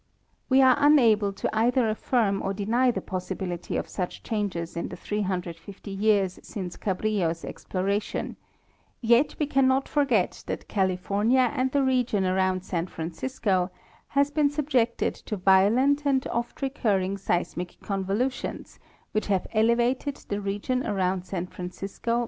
We are unable to either affirm or deny the possibility of such changes in the 350 years since Cabrillo's exploration, yet we cannot forget that California and the region around San Francisco has been subjected to violent and oft recurring seismic convul sions, which have elevated the region around San Francisco 914 E. L. Berthoud—Sir Francis Drake's Anchorage.